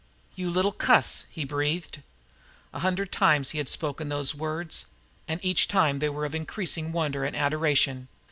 "You little cuss!" he breathed. A hundred times he had spoken those words, and each time they were of increasing wonder and adoration.